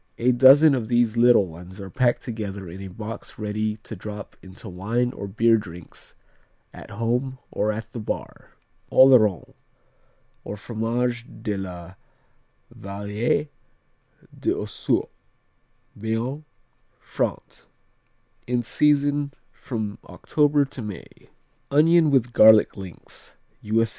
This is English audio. A dozen of these little ones are packed together in a box ready to drop into wine or beer drinks at home or at the bar. Oloron, or Fromage de la Vallee d'ossour Béarn, France In season from October to May. Onion with garlic links _U.S.